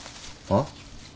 あっ？